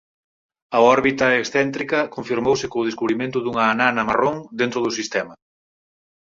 A órbita excéntrica confirmouse co descubrimento dunha anana marrón dentro do sistema.